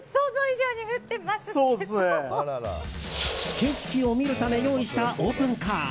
景色を見るため用意したオープンカー。